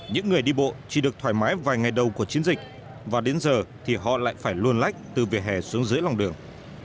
những người đi bộ chỉ được thoải mái vài ngày đầu của chiến dịch và đến giờ thì họ lại phải luồn lách từ vỉa hè xuống dưới lòng đường